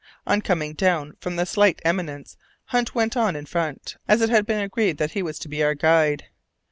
On coming down from the slight eminence Hunt went on in front, as it had been agreed that he was to be our guide.